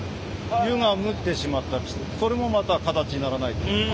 湯が漏ってしまったりしてそれもまた形にならない。